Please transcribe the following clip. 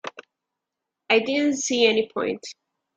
I didn't see any point.